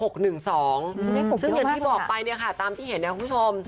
ก็แบบที่บอกไปนี่ค่ะตามที่เห็นคุณผู้ชม